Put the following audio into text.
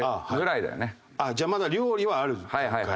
じゃあまだ料理はある段階？